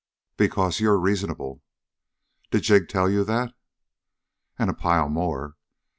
"Because you're reasonable." "Did Jig tell you that?" "And a pile more.